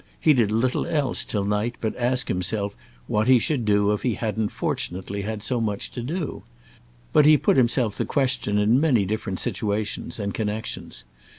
He did little else till night but ask himself what he should do if he hadn't fortunately had so much to do; but he put himself the question in many different situations and connexions.